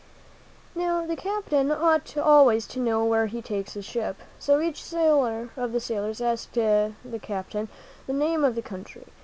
Now the captain ought always to know where he takes his ship; so each of the sailors asked the captain the name of the country.